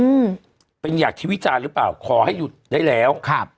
อืมเป็นอย่างที่วิจารณ์หรือเปล่าขอให้หยุดได้แล้วครับ